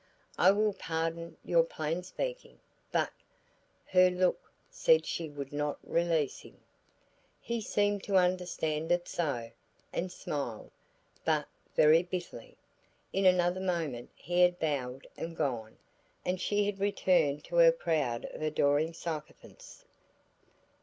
"I will pardon your plain speaking, but " Her look said she would not release him. He seemed to understand it so, and smiled, but very bitterly. In another moment he had bowed and gone, and she had returned to her crowd of adoring sycophants.